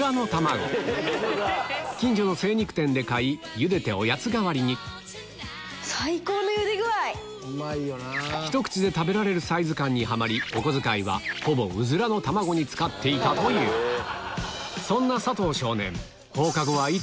近所の精肉店で買いゆでておやつ代わりにひと口で食べられるサイズ感にハマりお小遣いはほぼウズラの卵に使っていたというそんな佐藤少年